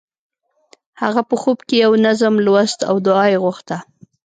هغه په خوب کې یو نظم لوست او دعا یې غوښته